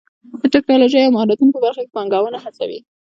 د ټکنالوژۍ او مهارتونو په برخه کې پانګونه هڅوي.